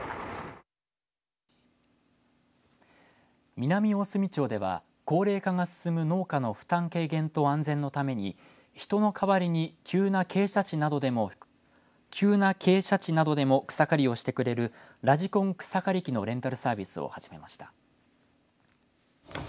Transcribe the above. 南大隅町では高齢化が進む農家の負担軽減と安全のために人の代わりに急な傾斜地などでも草刈りをしてくれるラジコン草刈り機のレンタルサービスを始めました。